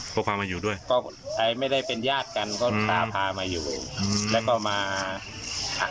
ครับเขาพามาอยู่ด้วยก็ไม่ได้เป็นญาติกันก็พามาอยู่แล้วก็มาอ่ะ